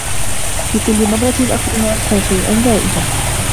في كلّ مرّة أخرج، أنسى شيئا. دائما!